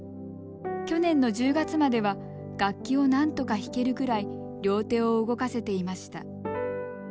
去年の１０月までは楽器をなんとか弾けるくらい両手を動かせていました。